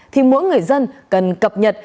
thì mỗi người dân cần cập nhật